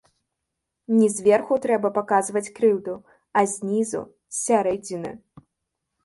Не зверху трэба паказваць крыўду, а знізу, з сярэдзіны.